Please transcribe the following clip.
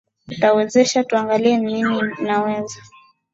atuwezesha tuangalie ni nini inaweza